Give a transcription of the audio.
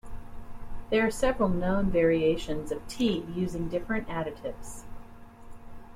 There are several known variations of tea using different additives.